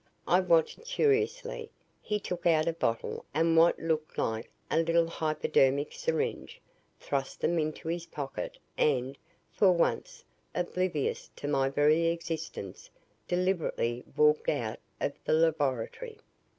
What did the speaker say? I watched curiously. He took out a bottle and what looked like a little hypodermic syringe, thrust them into his pocket and, for once, oblivious to my very existence, deliberately walked out of the laboratory.